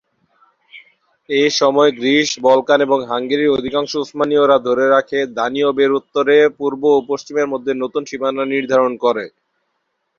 এই সময়ে Greece, Balkan এবং হাঙ্গেরির অধিকাংশ উসমানীয়রা ধরে রাখে, দানিউব এর উত্তরে পূর্ব ও পশ্চিমের মধ্যে নতুন সীমানা নির্ধারন করে।